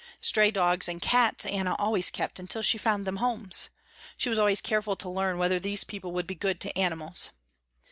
Stray dogs and cats Anna always kept until she found them homes. She was always careful to learn whether these people would be good to animals.